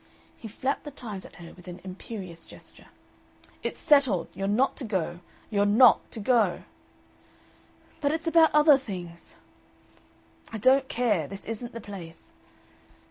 He flapped the Times at her with an imperious gesture. "It's settled. You're not to go. You're NOT to go." "But it's about other things." "I don't care. This isn't the place."